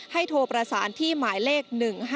โทรประสานที่หมายเลข๑๕๗